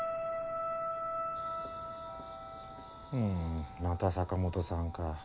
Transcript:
んまた坂本さんか。